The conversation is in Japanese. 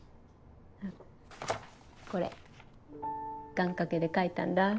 願掛けで書いたんだ。